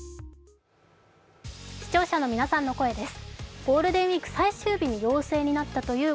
視聴者の皆さんの声です。